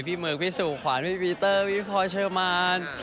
พี่เมรุกพี่สุขวัญพี่ปีเตอร์พี่พรขเชอมาน